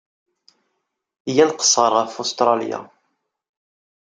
Iyya ad nqeṣṣer ɣef Ustṛalya.